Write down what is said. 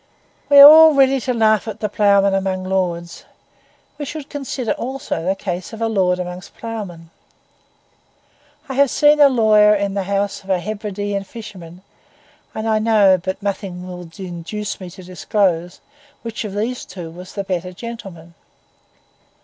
We are all ready to laugh at the ploughman among lords; we should consider also the case of a lord among the ploughmen. I have seen a lawyer in the house of a Hebridean fisherman; and I know, but nothing will induce me to disclose, which of these two was the better gentleman.